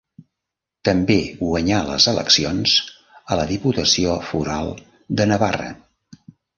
També guanyà les eleccions a la Diputació Foral de Navarra.